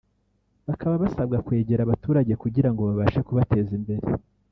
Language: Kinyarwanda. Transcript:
bakaba basabwa kwegera abaturage kugirango babashe kubateza imbere